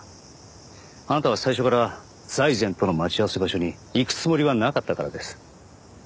あなたは最初から財前との待ち合わせ場所に行くつもりはなかったからです。